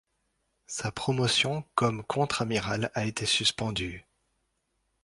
Sa promotion comme contre-amiral a été suspendue.